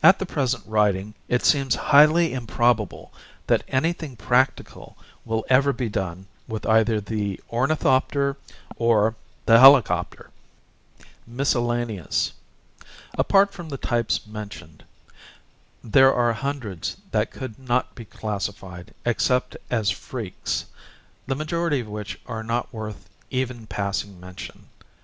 At the present writing, it seems highly improbable that anything practical will ever be done with either the ornithopter or the helicopter. Fig. 17. Freak Type of Biplane Which Has Actualy Flown Miscellaneous. Apart from the types mentioned, there are hundreds that could not be classified except as freaks, the majority of which are not worth even passing mention.